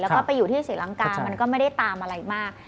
แล้วก็ไปอยู่ที่ศรีลังกามันก็ไม่ได้ตามอะไรมาก